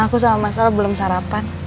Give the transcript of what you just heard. aku sama mas ale belum sarapan